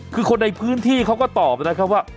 คือคนในพื้นที่เขาก็ตอบนะครับว่า